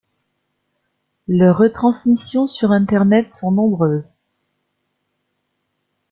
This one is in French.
Leurs retransmissions sur Internet sont nombreuses.